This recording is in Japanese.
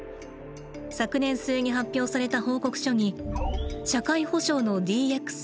昨年末に発表された報告書に「社会保障のＤＸ